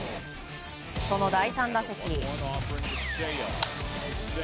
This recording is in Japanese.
その第３打席。